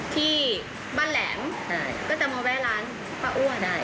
ที่บ้านแหลมก็จะมาแวะร้านป้าอ้วได้